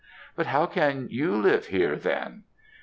"'But how can you live here then?'